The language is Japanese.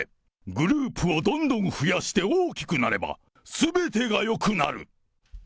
グループをどんどん増やして大きくなれば、すべてがよくなる。